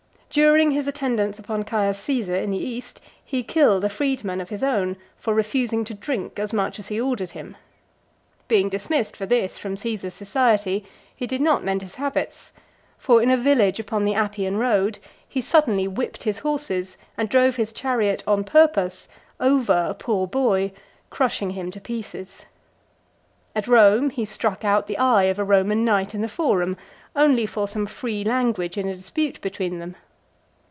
During his attendance upon Caius Caesar in the East, he killed a freedman of his own, for refusing to drink as much as he ordered him. Being dismissed for this from Caesar's society, he did not mend his habits; for, in a village upon the Appian road, he suddenly whipped his horses, and drove his chariot, on purpose, (340) over a poor boy, crushing him to pieces. At Rome, he struck out the eye of a Roman knight in the Forum, only for some free language in a dispute between them.